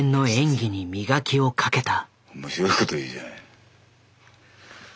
面白いこと言うじゃない。